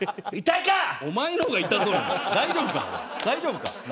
大丈夫か？